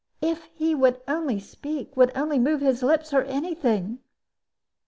If he would only speak, would only move his lips, or any thing!